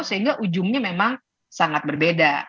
sehingga ujungnya memang sangat berbeda